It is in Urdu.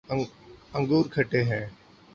انگور کھٹے ہیں